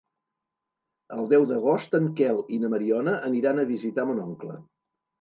El deu d'agost en Quel i na Mariona aniran a visitar mon oncle.